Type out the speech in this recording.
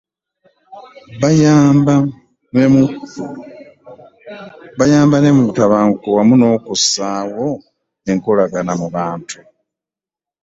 Bayamba ne mu kugonjoola obutabanguko wamu n’okussaawo enkolagana mu bantu.